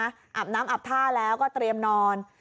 อาบน้ำอาบท่าแล้วก็เตรียมนอน